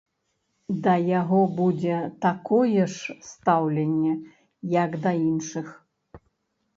Да яго будзе такое ж стаўленне, як да іншых.